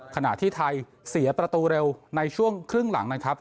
ขณะที่ไทยเสียประตูเร็วในช่วงครึ่งหลังนะครับ